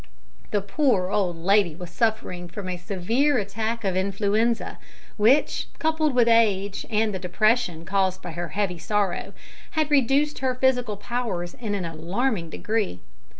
The poor old lady was suffering from a severe attack of influenza, which, coupled with age and the depression caused by her heavy sorrow, had reduced her physical powers in an alarming degree.